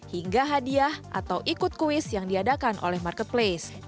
hingga hadiah atau ikut kuis yang diadakan oleh marketplace